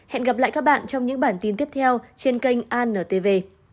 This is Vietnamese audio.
hẹn gặp lại các bạn trong những bản tin tiếp theo trên kênh antv